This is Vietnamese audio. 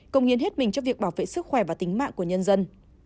công hiến hết mình cho việc bảo vệ sức khỏe và tính mạng của nhân dân